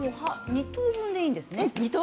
２等分でいいです。